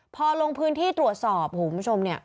พอลงพื้นที่ตรวจสอบหูวผู้ชมนี่